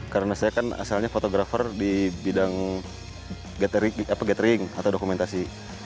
karena saya kan asalnya fotografer di bidang gathering atau dokumentasi